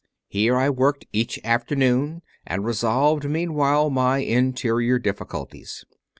Here I worked each afternoon and revolved meanwhile my interior difficulties.